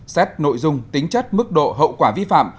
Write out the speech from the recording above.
xét nội dung tính chất mức độ hậu quả vi phạm